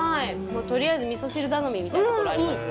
とりあえず、みそ汁頼みみたいなところありますね。